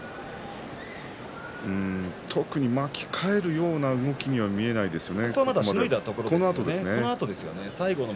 特に巻き替えるような動きには見えないですよね。